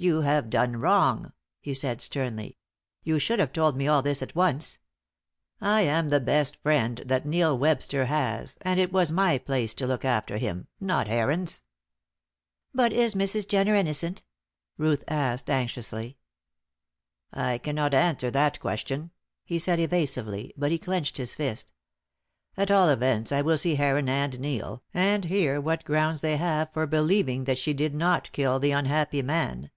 "You have done wrong," he said, sternly. "You should have told me all this at once. I am the best friend that Neil Webster has, and it was my place to look after him, not Heron's." "But is Mrs. Jenner innocent?" Ruth asked, anxiously. "I cannot answer that question," he said, evasively, but he clenched his fist. "At all events I will see Heron and Neil, and hear what grounds they have for believing that she did not kill the unhappy man.